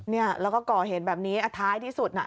เนี่ยแล้วก็ก่อเหตุแบบนี้ท้ายที่สุดน่ะ